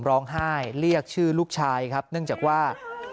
เรียกชื่อลูกชายครับเนื่องจากว่า